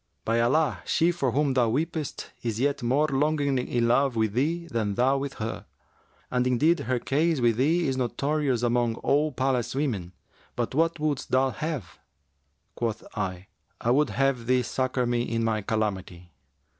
By Allah, she for whom thou weepest is yet more longingly in love with thee than thou with her! And indeed her case with thee is notorious among all the palace women. But what wouldst thou have?' Quoth I, 'I would have thee succour me in my calamity.'